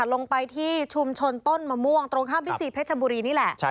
ลงไปที่ชุมชนต้นมะม่วงตรงข้ามพี่ซีเพชรบุรีนี่แหละ